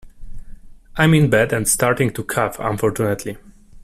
I'm in bed and starting to cough, unfortunately.